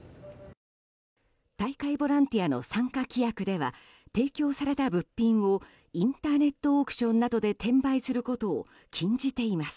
大会ボランティアの参加規約では提供された物品をインターネットオークションなどで転売することを禁じています。